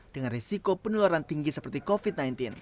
dengan risiko penularan tinggi seperti covid sembilan belas